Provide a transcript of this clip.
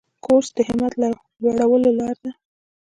کورس د همت لوړولو لاره ده.